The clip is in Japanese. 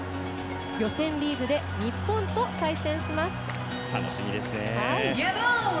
予選リーグで日本と対戦します。